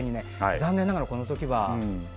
残念ながらこの時は。